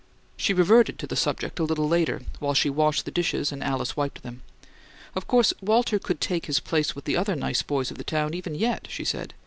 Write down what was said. She reverted to the subject a little later, while she washed the dishes and Alice wiped them. "Of course Walter could take his place with the other nice boys of the town even yet," she said.